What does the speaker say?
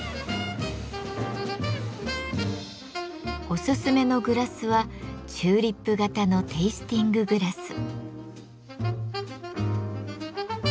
おすすめのグラスはチューリップ型のテイスティンググラス。